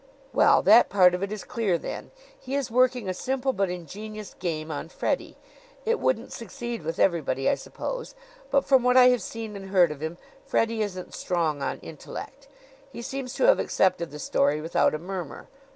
"Well, that part of it is clear, then. He is working a simple but ingenious game on Freddie. It wouldn't succeed with everybody, I suppose; but from what I have seen and heard of him Freddie isn't strong on intellect. He seems to have accepted the story without a murmur.